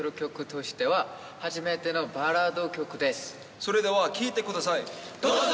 それでは聴いてください、どうぞ！